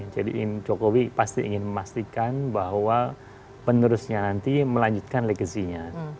jadi jokowi pasti ingin memastikan bahwa penerusnya nanti melanjutkan legasinya